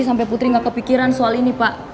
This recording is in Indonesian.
sampai putri nggak kepikiran soal ini pak